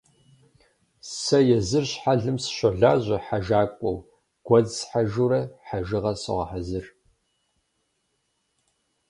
Сэ езыр щхьэлым сыщолажьэ хьэжакӏуэу, гуэдз схьэжурэ хэжыгъэ согъэхьэзыр.